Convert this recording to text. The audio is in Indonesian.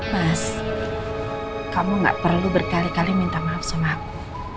mas kamu gak perlu berkali kali minta maaf sama aku